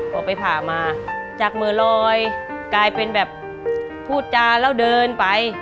พอไปผ่ามาจากมือลอยกลายเป็นแบบพูดจาแล้วเดินไป